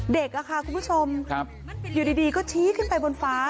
เด็กค่ะคุณผู้ชมอยู่ดีก็ชี้ขึ้นไปบนฟ้า